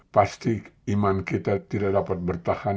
pasti iman kita tidak dapat bertahan